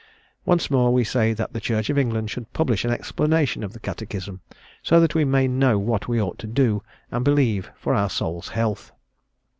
Once more, we say that the Church of England should publish an explanation of the Catechism, so that we may know what we ought to do and believe for our soul's health.